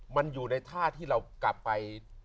มันอยู่ในท่าที่เรากลับไป